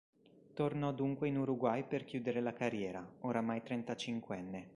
Tornò dunque in Uruguay per chiudere la carriera, oramai trentacinquenne.